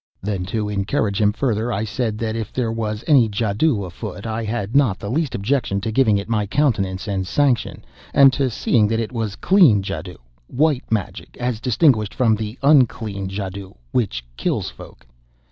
Then, to encourage him further, I said that, if there was any jadoo afoot, I had not the least objection to giving it my countenance and sanction, and to seeing that it was clean jadoo white magic, as distinguished from the unclean jadoo which kills folk.